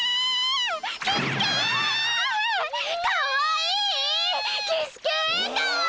かわいい！